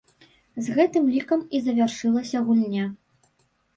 З гэтым лікам і завяршылася гульня.